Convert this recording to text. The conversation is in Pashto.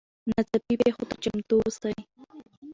ناڅاپي پیښو ته چمتو اوسئ.